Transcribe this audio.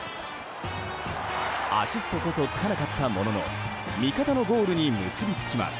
アシストこそつかなかったものの味方のゴールに結びつきます。